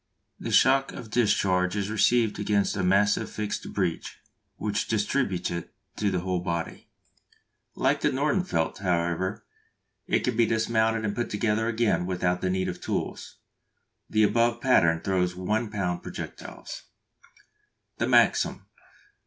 The shock of discharge is received against a massive fixed breech, which distributes it to the whole body. Like the Nordenfelt, however, it can be dismounted and put together again without the need of tools. The above pattern throws 1 lb. projectiles. _The Maxim.